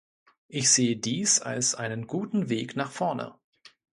Ich sehe dies als einen guten Weg nach vorne.